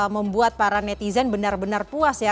membuat para netizen benar benar puas ya